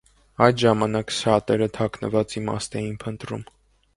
Այդ ժամանակ շատերը թաքնված իմաստ էին փնտրում։